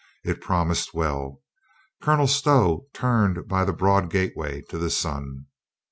It promised well. Colonel Stow turned by the broad gateway to the Sun.